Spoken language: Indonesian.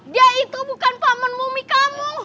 dia itu bukan paman mumi kamu